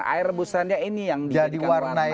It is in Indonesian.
air rebusannya ini yang dijadikan warna